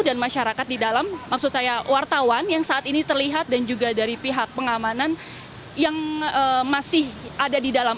dan masyarakat di dalam maksud saya wartawan yang saat ini terlihat dan juga dari pihak pengamanan yang masih ada di dalam